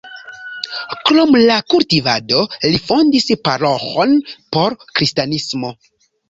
Krom la kultivado li fondis paroĥon por kristanismo.